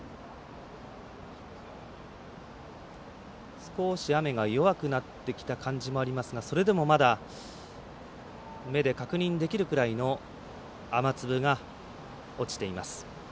少し雨が弱くなってきた感じがありますがそれでもまだ目で確認できるくらいの雨粒が落ちています。